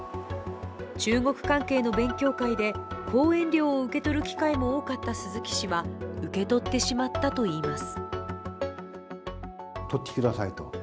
中国関係の勉強会で講演料を受け取る機会も多かった鈴木氏は受け取ってしまったといいます。